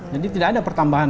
jadi tidak ada pertumbuhan